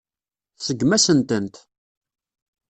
Tseggem-asen-tent.